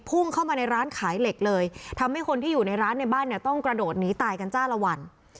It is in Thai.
พุ่งเข้ามาในร้านขายเหล็กเลยทำให้คนที่อยู่ในร้านในบ้านเนี่ยต้องกระโดดหนีตายกันจ้าละวัน